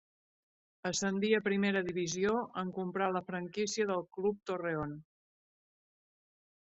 Ascendí a primera divisió en comprar la franquícia del club Torreón.